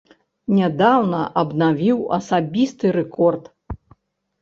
Нядаўна абнавіў асабісты рэкорд.